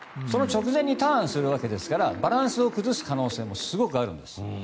その直前にターンするわけですからバランスを崩す可能性がすごくあるんです。